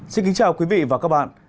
xin kính chào quý vị và các bạn